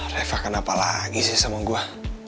reva kenapa lagi sih sama gue